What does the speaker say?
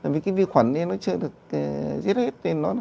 vì cái vi khuẩn ấy nó chưa được giết hết